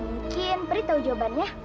mungkin pri tahu jawabannya